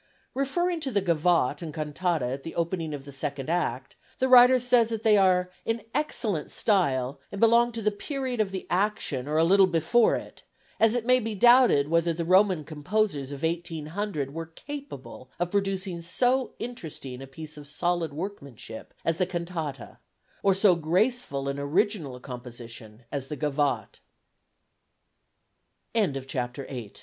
Referring to the gavotte and cantata at the opening of the second act, the writer says they are "in excellent style and belong to the period of the action or a little before it, as it may be doubted whether the Roman composers of 1800 were capable of producing so interesting a piece of solid workmanship as the cantata, or so graceful and original a composition as the gavotte." IX "MADAMA BUTTERFLY" For his latest